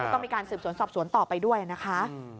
ต้องมีการสืบสวนสอบสวนต่อไปด้วยนะคะ